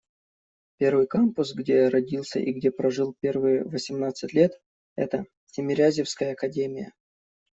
Первый кампус, где я родился и где прожил первые восемнадцать лет, — это Тимирязевская академия.